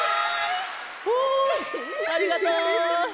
おありがとう！